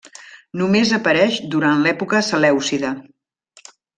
Només apareix durant l'època selèucida.